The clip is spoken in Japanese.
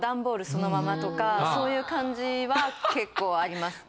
そのままとかそういう感じは結構あります。